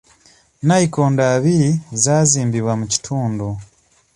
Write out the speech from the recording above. Nayikondo abiri zaazimbibwa mu kitundu.